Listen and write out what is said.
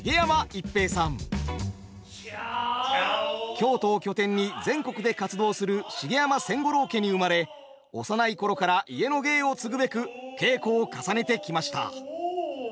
京都を拠点に全国で活動する茂山千五郎家に生まれ幼い頃から家の芸を継ぐべく稽古を重ねてきました。